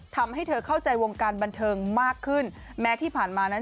ทำให้เธอเข้าใจวงการบันเทิงมากขึ้นแม้ที่ผ่านมานั้น